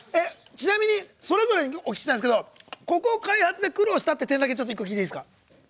ちなみにそれぞれにお聞きしたいんですけどここ開発で苦労した点聞いていいですか？